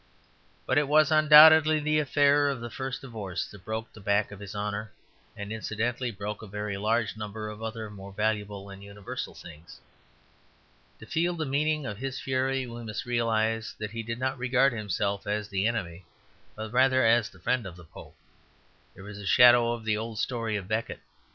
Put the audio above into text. But it was undoubtedly the affair of the first divorce that broke the back of his honour, and incidentally broke a very large number of other more valuable and universal things. To feel the meaning of his fury we must realize that he did not regard himself as the enemy but rather as the friend of the Pope; there is a shadow of the old story of Becket.